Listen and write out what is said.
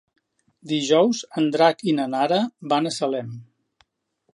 Dijous en Drac i na Nara van a Salem.